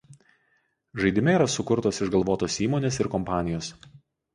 Žaidime yra sukurtos išgalvotos įmonės ir kompanijos.